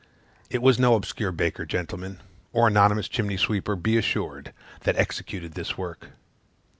It was no obscure baker, gentlemen, or anonymous chimney sweeper, be assured, that executed this work.